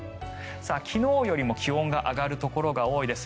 昨日よりも気温が上がるところが多いです。